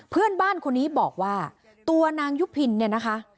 เพื่อนบ้านคนนี้บอกว่าตัวนางยุพินเนี่ยนะคะ